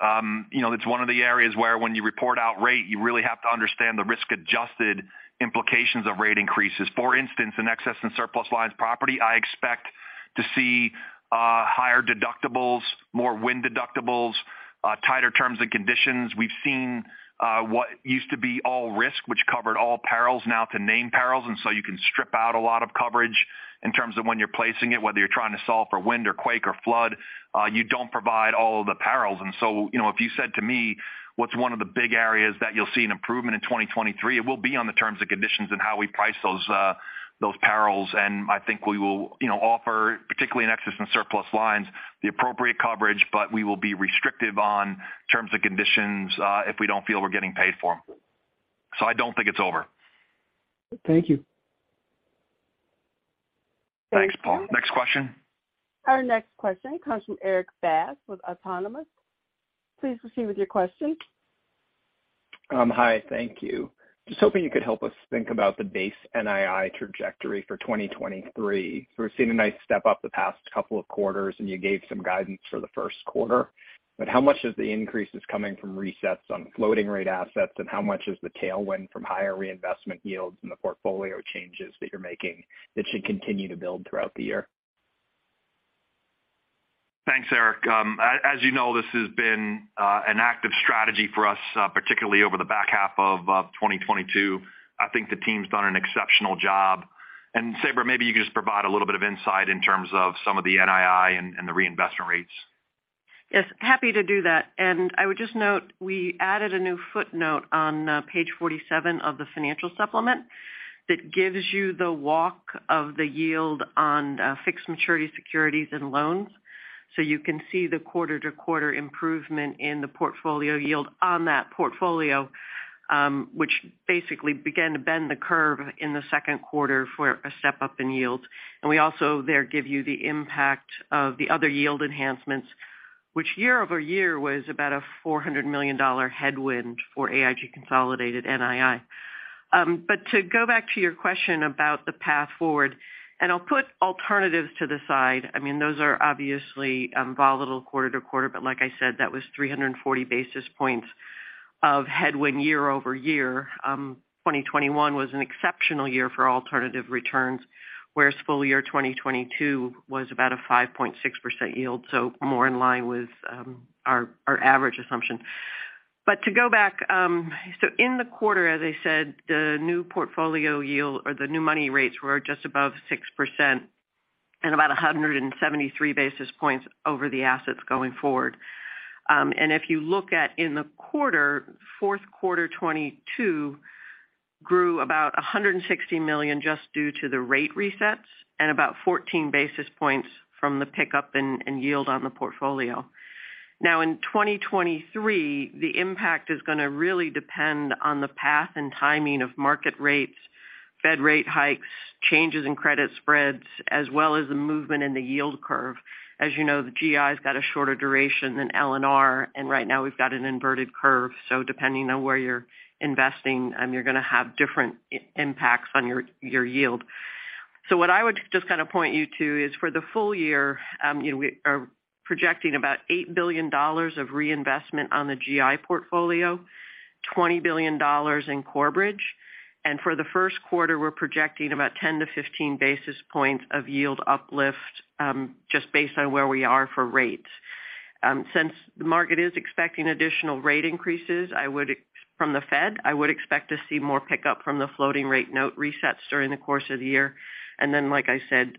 2023, you know, it's one of the areas where when you report out rate, you really have to understand the risk-adjusted implications of rate increases. For instance, in excess and surplus lines property, I expect to see higher deductibles, more wind deductibles, tighter terms and conditions. We've seen what used to be all risk, which covered all perils now to named perils. You can strip out a lot of coverage in terms of when you're placing it, whether you're trying to solve for wind or quake or flood. You don't provide all of the perils. You know, if you said to me, what's one of the big areas that you'll see an improvement in 2023, it will be on the terms and conditions and how we price those perils. I think we will, you know, offer, particularly in excess and surplus lines, the appropriate coverage, but we will be restrictive on terms and conditions, if we don't feel we're getting paid for them. I don't think it's over. Thank you. Thanks, Paul. Next question. Our next question comes from Erik Bass with Autonomous. Please proceed with your question. Hi. Thank you. Just hoping you could help us think about the base NII trajectory for 2023. We've seen a nice step up the past couple of quarters, and you gave some guidance for the 1st quarter, but how much of the increase is coming from resets on floating rate assets, and how much is the tailwind from higher reinvestment yields and the portfolio changes that you're making that should continue to build throughout the year? Thanks, Erik. As you know, this has been an active strategy for us, particularly over the back half of 2022. I think the team's done an exceptional job. Sabra, maybe you can just provide a little bit of insight in terms of some of the NII and the reinvestment rates. Yes, happy to do that. I would just note, we added a new footnote on page 47 of the financial supplement that gives you the walk of the yield on fixed maturity securities and loans. You can see the quarter-to-quarter improvement in the portfolio yield on that portfolio, which basically began to bend the curve in the second quarter for a step-up in yields. We also there give you the impact of the other yield enhancements, which year-over-year was about a $400 million headwind for AIG consolidated NII. To go back to your question about the path forward, and I'll put alternatives to the side. I mean, those are obviously, volatile quarter-to-quarter, but like I said, that was 340 basis points of headwind year-over-year. 2021 was an exceptional year for alternative returns, whereas full year 2022 was about a 5.6% yield, more in line with our average assumption. To go back, in the quarter, as I said, the new portfolio yield or the new money rates were just above 6% and about 173 basis points over the assets going forward. If you look at in the quarter, fourth quarter 2022 grew about $160 million just due to the rate resets and about 14 basis points from the pickup in yield on the portfolio. In 2023, the impact is going to really depend on the path and timing of market rates, Fed rate hikes, changes in credit spreads, as well as the movement in the yield curve. You know, the GI's got a shorter duration than L&R, and right now we've got an inverted curve. Depending on where you're investing, you're going to have different impacts on your yield. What I would just kind of point you to is for the full year, you know, we are projecting about $8 billion of reinvestment on the GI portfolio, $20 billion in Corebridge. For the first quarter, we're projecting about 10 to 15 basis points of yield uplift, just based on where we are for rates. Since the market is expecting additional rate increases, from the Fed, I would expect to see more pickup from the floating rate note resets during the course of the year. Like I said,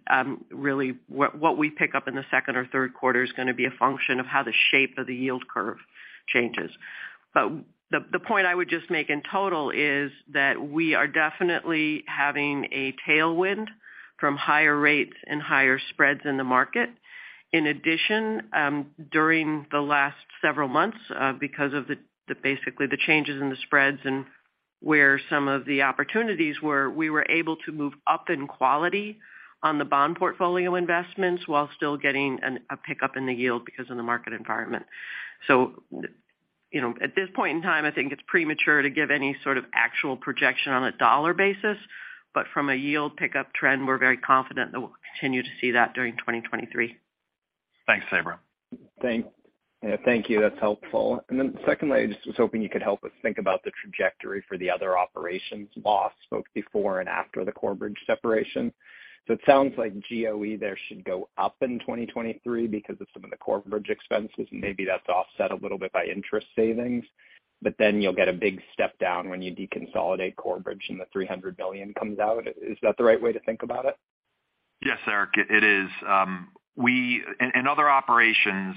really what we pick up in the second or third quarter is gonna be a function of how the shape of the yield curve changes. The point I would just make in total is that we are definitely having a tailwind from higher rates and higher spreads in the market. In addition, during the last several months, because of the basically the changes in the spreads and where some of the opportunities were, we were able to move up in quality on the bond portfolio investments while still getting a pickup in the yield because of the market environment. You know, at this point in time, I think it's premature to give any sort of actual projection on a dollar basis, but from a yield pickup trend, we're very confident that we'll continue to see that during 2023. Thanks, Sabra. Thank you. That's helpful. Secondly, I just was hoping you could help us think about the trajectory for the other operations loss, both before and after the Corebridge separation. It sounds like GOE there should go up in 2023 because of some of the Corebridge expenses, and maybe that's offset a little bit by interest savings. You'll get a big step down when you deconsolidate Corebridge and the $300 million comes out. Is that the right way to think about it? Yes, Erik, it is. In other operations,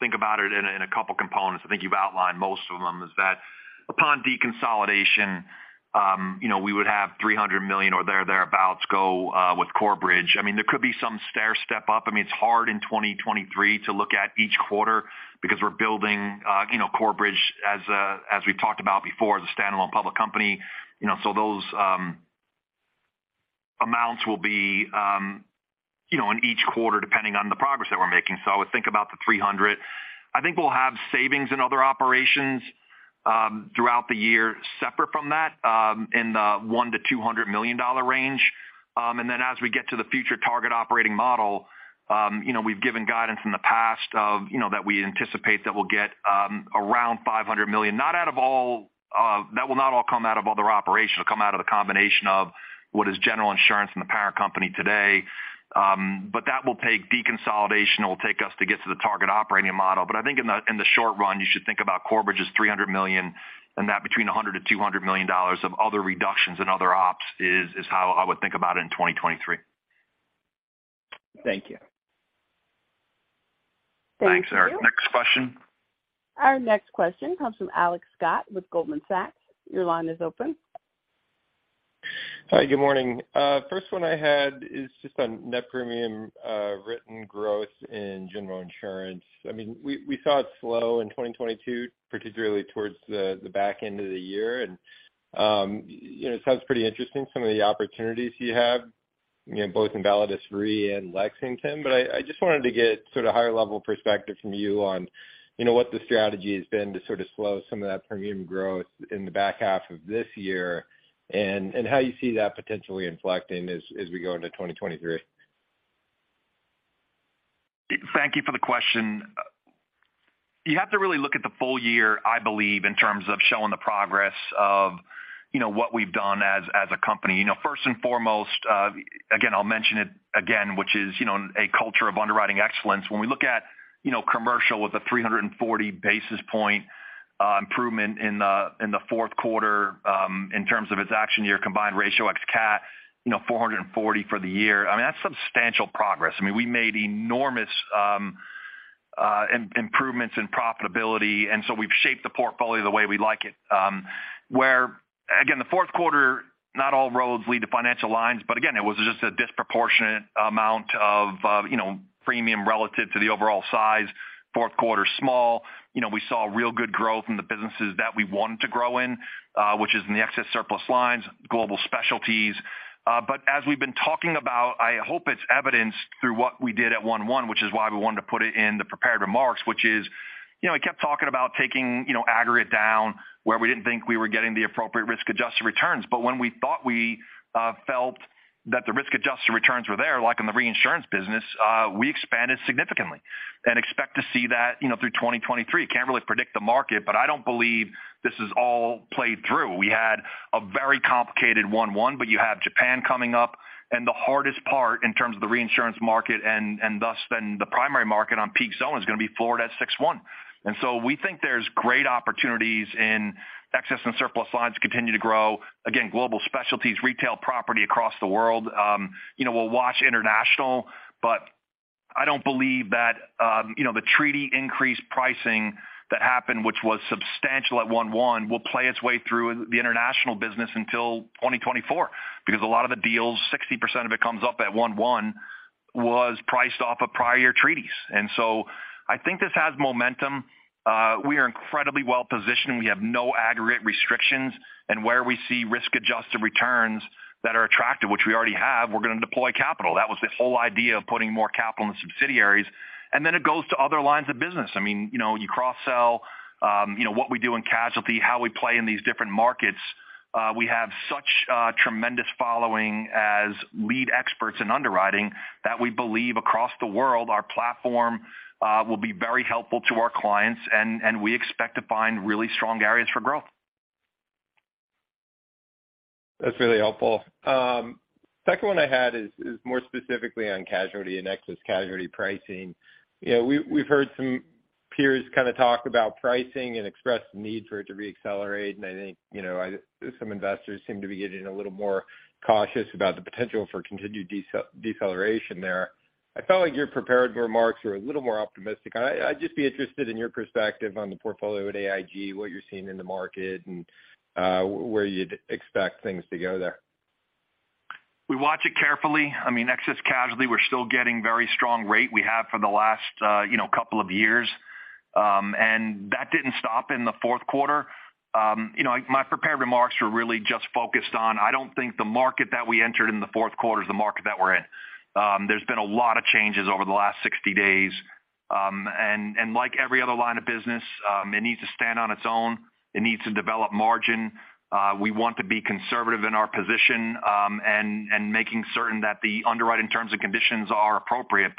think about it in a couple components. I think you've outlined most of them, is that upon deconsolidation, you know, we would have $300 million or there or thereabouts go with Corebridge. I mean, there could be some stair-step up. I mean, it's hard in 2023 to look at each quarter because we're building, you know, Corebridge as we've talked about before, as a standalone public company. You know, those amounts will be, you know, in each quarter depending on the progress that we're making. I would think about the $300. I think we'll have savings in other operations throughout the year, separate from that, in the $100 million-$200 million range. As we get to the future target operating model, you know, we've given guidance in the past of, you know, that we anticipate that we'll get around $500 million. Not out of all, that will not all come out of other operations. It'll come out of the combination of what is General Insurance and the parent company today. That deconsolidation will take us to get to the target operating model. I think in the short run, you should think about Corebridge as $300 million, and that between $100 million-$200 million of other reductions in other ops is how I would think about it in 2023. Thank you. Thank you. Thanks, Eric. Next question. Our next question comes from Alex Scott with Goldman Sachs. Your line is open. Hi, good morning. First one I had is just on net premium written growth in General Insurance. I mean, we saw it slow in 2022, particularly towards the back end of the year. You know, it sounds pretty interesting some of the opportunities you have, you know, both in Validus Re and Lexington. I just wanted to get sort of higher level perspective from you on, you know, what the strategy has been to sort of slow some of that premium growth in the back half of this year, and how you see that potentially inflecting as we go into 2023. Thank you for the question. You have to really look at the full year, I believe, in terms of showing the progress of, you know, what we've done as a company. You know, first and foremost, again, I'll mention it again, which is, you know, a culture of underwriting excellence. When we look at, you know, commercial with a 340 basis point improvement in the fourth quarter, in terms of its accident year combined ratio ex CAT, you know, 440 for the year, I mean, that's substantial progress. I mean, we made enormous improvements in profitability, and so we've shaped the portfolio the way we like it. Where again, the fourth quarter, not all roads lead to financial lines, but again, it was just a disproportionate amount of, you know, premium relative to the overall size. Fourth quarter, small. You know, we saw real good growth in the businesses that we wanted to grow in, which is in the excess and surplus lines, Global Specialty. As we've been talking about, I hope it's evidenced through what we did at 1/1, which is why we wanted to put it in the prepared remarks, which is, you know, we kept talking about taking, you know, aggregate down where we didn't think we were getting the appropriate risk-adjusted returns. When we thought we felt that the risk-adjusted returns were there, like in the reinsurance business, we expanded significantly and expect to see that, you know, through 2023. Can't really predict the market, but I don't believe this is all played through. We had a very complicated 1/1, but you have Japan coming up, and thus then the primary market on peak zone is gonna be Florida at 6/1. We think there's great opportunities in excess and surplus lines continue to grow. Again, Global Specialty, retail property across the world. You know, we'll watch international, but I don't believe that, you know, the treaty increase pricing that happened, which was substantial at 1/1, will play its way through the international business until 2024 because a lot of the deals, 60% of it comes up at 1/1, was priced off of prior treaties. I think this has momentum. We are incredibly well-positioned. We have no aggregate restrictions. Where we see risk-adjusted returns that are attractive, which we already have, we're gonna deploy capital. That was the whole idea of putting more capital in the subsidiaries. Then it goes to other lines of business. I mean, you know, you cross-sell, you know, what we do in casualty, how we play in these different markets. We have such tremendous following as lead experts in underwriting that we believe across the world our platform will be very helpful to our clients and we expect to find really strong areas for growth. That's really helpful. Second one I had is more specifically on casualty and excess casualty pricing. You know, we've heard some peers kind of talk about pricing and express the need for it to reaccelerate. I think, you know, I some investors seem to be getting a little more cautious about the potential for continued deceleration there. I felt like your prepared remarks were a little more optimistic. I'd just be interested in your perspective on the portfolio at AIG, what you're seeing in the market and where you'd expect things to go there. We watch it carefully. I mean, excess casualty, we're still getting very strong rate, we have for the last, you know, couple of years. That didn't stop in the fourth quarter. You know, my prepared remarks were really just focused on, I don't think the market that we entered in the fourth quarter is the market that we're in. There's been a lot of changes over the last 60 days. And like every other line of business, it needs to stand on its own. It needs to develop margin. We want to be conservative in our position, and making certain that the underwriting terms and conditions are appropriate.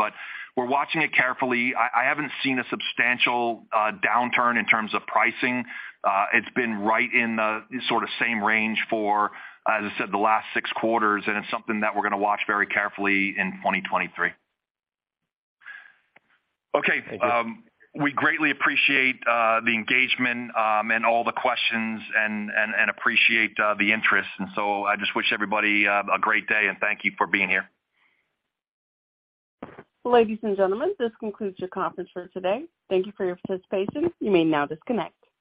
We're watching it carefully. I haven't seen a substantial downturn in terms of pricing. It's been right in the sort of same range for, as I said, the last six quarters. It's something that we're going to watch very carefully in 2023. Okay. Thank you. We greatly appreciate the engagement and all the questions and appreciate the interest. I just wish everybody a great day, and thank you for being here. Ladies and gentlemen, this concludes your conference for today. Thank you for your participation. You may now disconnect.